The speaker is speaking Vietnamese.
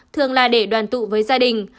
thường là để đoàn tụ với gia đình